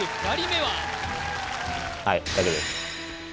はい大丈夫です